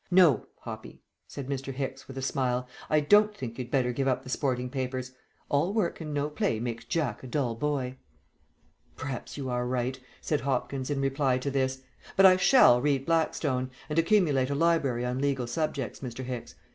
"No, Hoppy," said Mr. Hicks, with a smile, "I don't think you'd better give up the sporting papers; 'all work and no play makes Jack a dull boy.'" "Perhaps you are right," said Hopkins, in reply to this. "But I shall read Blackstone, and accumulate a library on legal subjects, Mr. Hicks.